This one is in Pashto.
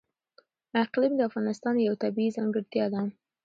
اقلیم د افغانستان یوه طبیعي ځانګړتیا ده.